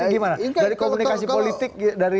gimana dari komunikasi politik